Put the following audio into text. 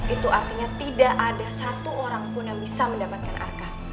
itu artinya tidak ada satu orang pun yang bisa mendapatkan arkah